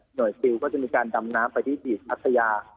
หน่วยศิลป์ก็จะมีการดำน้ำไปที่บีบอัศยา